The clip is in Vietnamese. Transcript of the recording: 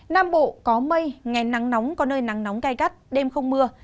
nam bộ có mây ngày nắng nóng có nơi nắng nóng gai gắt đêm không mưa